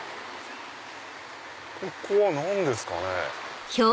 ここは何ですかね？